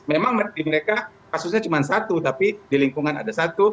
memang di mereka kasusnya cuma satu tapi di lingkungan ada satu